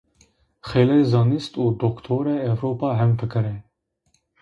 Xeylê zanist û doktorê Ewropa hemfikr ê